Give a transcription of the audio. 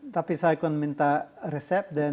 tapi saya akan minta resep dan